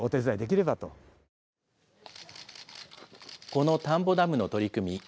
この田んぼダムの取り組み。